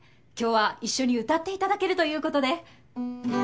今日は一緒に歌っていただけるということで。